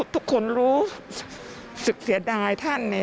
ทุกคนรู้เสียดายท่านเนี่ย